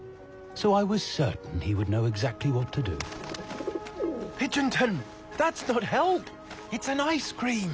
それはアイスクリーム。